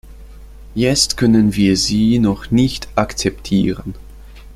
Jetzt können wir sie noch nicht akzeptieren.